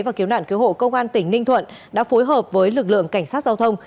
và cứu nạn cứu hộ công an tỉnh ninh thuận đã phối hợp với lực lượng cảnh sát giao thông